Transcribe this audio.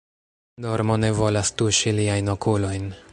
Dormo ne volas tuŝi liajn okulojn.